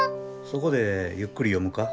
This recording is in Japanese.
そこでゆっくり読むか？